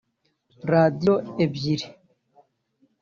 Radiyo ebyiri